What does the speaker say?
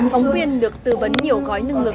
phóng viên được tư vấn nhiều gói nâng ngực